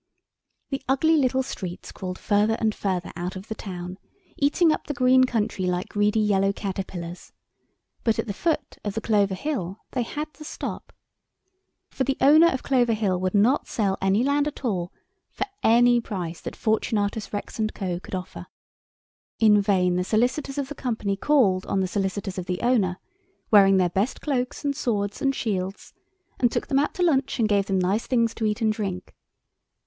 The ugly little streets crawled further and further out of the town, eating up the green country like greedy yellow caterpillars, but at the foot of the Clover Hill they had to stop. For the owner of Clover Hill would not sell any land at all—for any price that Fortunatus Rex & Co. could offer. In vain the solicitors of the Company called on the solicitors of the owner, wearing their best cloaks and swords and shields, and took them out to lunch and gave them nice things to eat and drink.